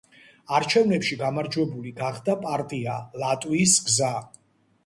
არჩევნებში გამარჯვებული გახდა პარტია ლატვიის გზა.